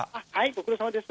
ご苦労さまです。